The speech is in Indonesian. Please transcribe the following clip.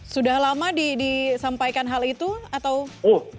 sudah lama disampaikan hal itu atau